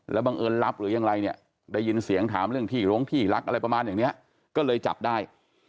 บังเอิญรับหรือยังไรเนี่ยได้ยินเสียงถามเรื่องที่โรงที่รักอะไรประมาณอย่างนี้ก็เลยจับได้